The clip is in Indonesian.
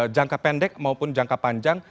jangka pendek maupun jangka panjang